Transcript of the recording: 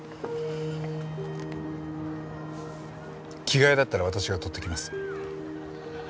着替えだったら私が取ってきます。